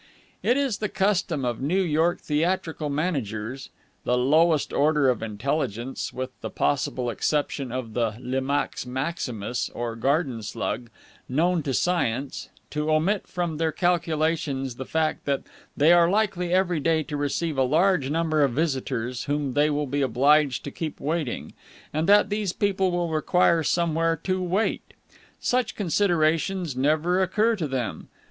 It is the custom of New York theatrical managers the lowest order of intelligence, with the possible exception of the limax maximus or garden slug, known to science to omit from their calculations the fact that they are likely every day to receive a large number of visitors, whom they will be obliged to keep waiting; and that these people will require somewhere to wait. Such considerations never occur to them.